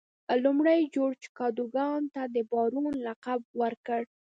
لومړي جورج کادوګان ته د بارون لقب ورکړ.